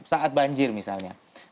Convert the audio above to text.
saat banjir misalnya